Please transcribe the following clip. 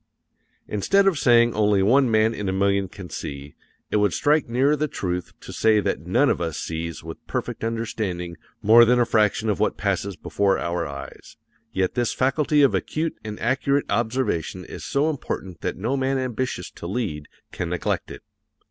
Instead of saying only one man in a million can see, it would strike nearer the truth to say that none of us sees with perfect understanding more than a fraction of what passes before our eyes, yet this faculty of acute and accurate observation is so important that no man ambitious to lead can neglect it.